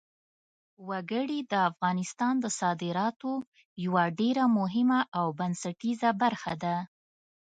وګړي د افغانستان د صادراتو یوه ډېره مهمه او بنسټیزه برخه ده.